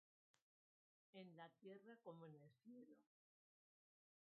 en la tierra como en el cielo.